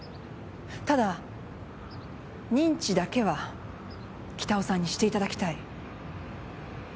ただ認知だけは北尾さんにしていただきたい。